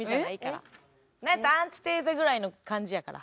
なんやったらアンチテーゼぐらいの感じやから。